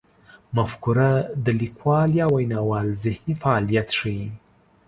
مفکوره د لیکوال یا ویناوال ذهني فعالیت ښيي.